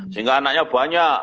sehingga anaknya banyak